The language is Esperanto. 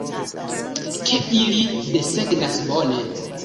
Ke ili desegnas, bone.